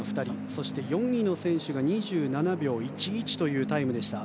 そして４位の選手が２７秒１１というタイムでした。